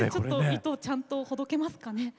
糸ちゃんとほどけますかね。